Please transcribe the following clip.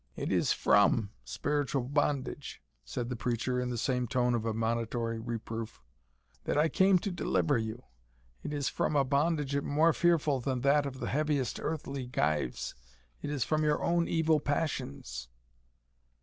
"It is from spiritual bondage," said the preacher, in the same tone of admonitory reproof, "that I came to deliver you it is from a bondage more fearful than than that of the heaviest earthly gyves it is from your own evil passions."